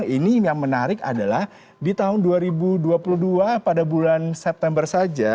ini yang menarik adalah di tahun dua ribu dua puluh dua pada bulan september saja